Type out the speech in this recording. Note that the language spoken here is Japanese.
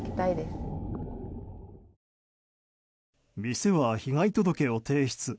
店は被害届を提出。